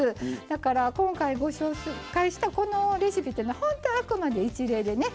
だから今回ご紹介したこのレシピっていうのはほんとあくまで一例でね